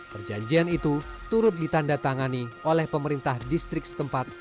perjanjian itu turut ditandatangani oleh pemerintah distrik setempat